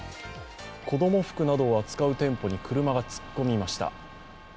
子供服などを扱う店舗に車が突っ込みました。